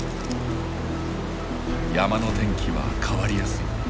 山の天気は変わりやすい。